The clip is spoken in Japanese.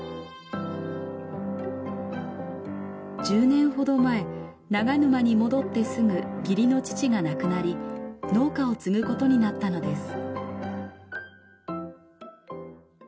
１０年ほど前長沼に戻ってすぐ義理の父が亡くなり農家を継ぐことになったのです。